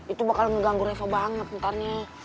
itu bakal mengganggu reva banget ntarnya